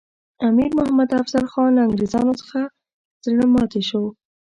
امیر محمد افضل خان له انګریزانو څخه زړه ماتي شو.